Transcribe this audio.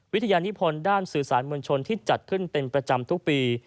วิทยานิพลด้านสื่อสารมวลชนที่จัดขึ้นเป็นประจำทุกปี